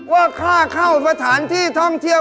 ว่าค่าเข้าสถานที่ท่องเที่ยว